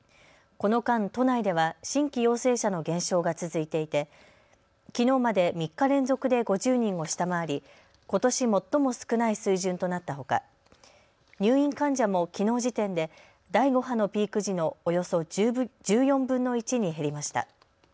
この間、都内では新規陽性者の減少が続いていてきのうまで３日連続で５０人を下回り、ことし最も少ない水準となったほか入院患者もきのう時点で第５波のピーク時のおよそ１４分の１に減りました。